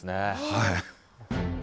はい。